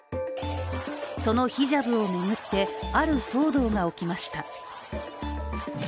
そのヒジャブを巡ってある騒動が起きました。